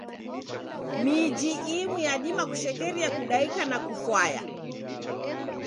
Miji imu yadima kushekeria kudaika na kufwaya.